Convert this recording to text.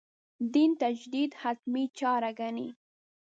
دین تجدید «حتمي» چاره ګڼي.